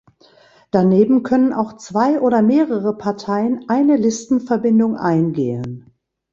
Daneben können auch zwei oder mehrere Parteien eine Listenverbindung eingehen.